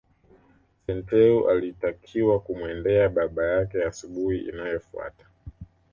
Senteu alitakiwa kumwendea baba yake asubuhi inayofuata